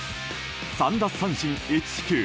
３奪三振１四球。